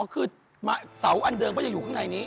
คือเสาอันเดิมก็ยังอยู่ข้างในนี้